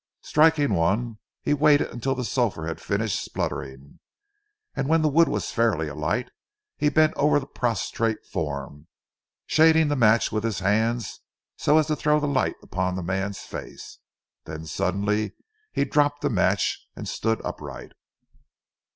Striking one, he waited until the sulphur had finished spluttering, and when the wood was fairly alight, he bent over the prostrate form, shading the match with his hands so as to throw the light upon the man's face. Then suddenly he dropped the match and stood upright.